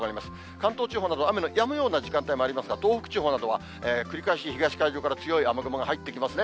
関東地方など、雨のやむような時間帯もありますが、東北地方などは繰り返し東海上から強い雨雲が入ってきますね。